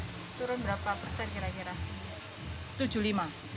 turun berapa persen kira kira